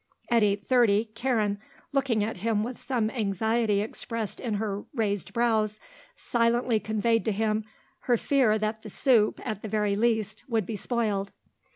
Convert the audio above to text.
At eight thirty, Karen, looking at him with some anxiety expressed in her raised brows, silently conveyed to him her fear that the soup, at the very least, would be spoiled.